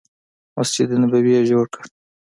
مسجد نبوي یې جوړ کړ.